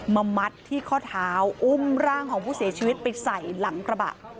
มัดที่ข้อเท้าอุ้มร่างของผู้เสียชีวิตไปใส่หลังกระบะ